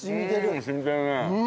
うん染みてるね。